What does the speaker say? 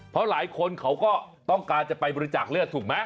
เพราะหลายคนเขาก็ต้องการจะไปบริจาคเลือดถูกไหม